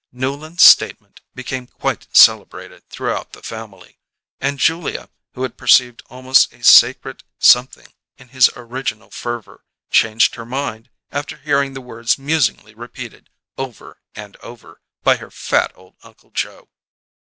Newland's statement became quite celebrated throughout the family: and Julia, who had perceived almost a sacred something in his original fervour, changed her mind after hearing the words musingly repeated, over and over, by her fat old Uncle Joe.